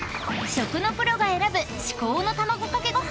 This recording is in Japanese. ［食のプロが選ぶ至高のたまごかけごはん］